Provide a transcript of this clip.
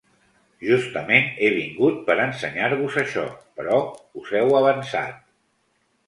Justament he vingut per ensenyar-vos això, però us heu avançat.